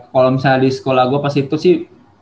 kalo misalnya di sekolah gua pas itu sih